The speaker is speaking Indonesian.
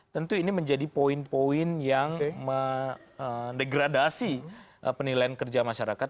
tentu ini menjadi poin poin yang mendegradasi penilaian kerja masyarakat